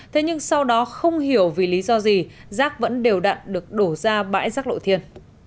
thế nhưng sau đó không hiểu vì lý do gì rác vẫn đều đặn được đổ ra bãi rác lộ thiên